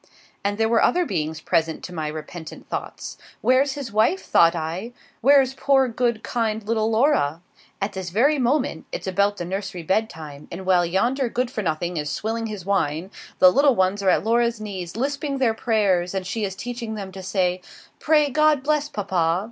And there were other beings present to my repentant thoughts. Where's his wife, thought I? Where's poor, good, kind little Laura? At this very moment it's about the nursery bed time, and while yonder good for nothing is swilling his wine the little ones are at Laura's knees lisping their prayers: and she is teaching them to say 'Pray God bless Papa.'